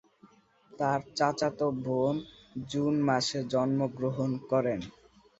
তার চাচাতো বোন জুন মাসে জন্মগ্রহণ করে।